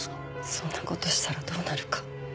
そんな事したらどうなるか。